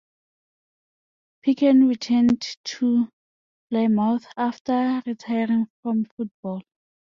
Picken returned to Plymouth after retiring from football.